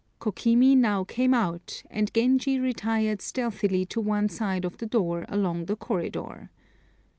Kokimi now came out, and Genji retired stealthily to one side of the door along the corridor.